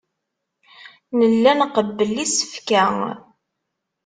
Nella nqebbel isefka.